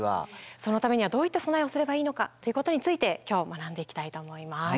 そのためにはどういった備えをすればいいのかっていうことについて今日は学んでいきたいと思います。